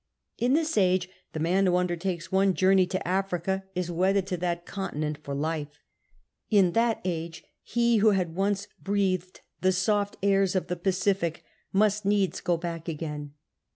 In tliis age the man who undertakes one journey to Africa is wedded to that continent for life ; in that age he who had once breathed the soft airs of the^Pacific must needs go back again.